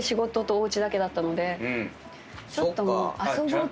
ちょっともう。